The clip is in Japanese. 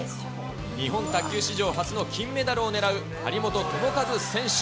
日本卓球史上初の金メダルを狙う張本智和選手。